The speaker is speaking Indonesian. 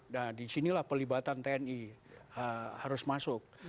nah disinilah pelibatan tni harus masuk